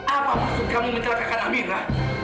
apa maksud kamu mencelakakan aminah